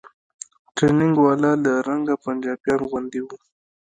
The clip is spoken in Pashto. ټرېننگ والا له رنګه پنجابيانو غوندې و.